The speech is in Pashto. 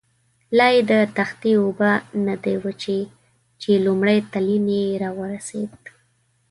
لایې د تختې اوبه نه دي وچې، چې لومړی تلین یې را ورسېد.